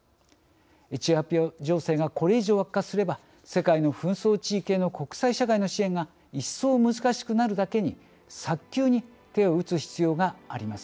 エチオピア情勢がこれ以上悪化すれば世界の紛争地域への国際社会の支援が一層難しくなるだけに早急に手を打つ必要があります。